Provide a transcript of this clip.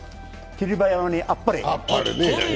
霧馬山にあっぱれ！